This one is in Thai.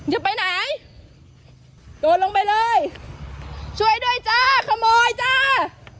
จะไปไหนโดดลงไปเลยช่วยด้วยจ้าขโมยจ้า